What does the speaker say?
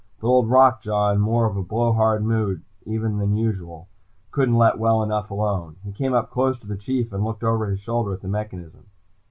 But Old Rock Jaw, in more of a blowhard mood even than usual, couldn't let well enough alone. He came up close to the Chief, and looked over his shoulder at the mechanism.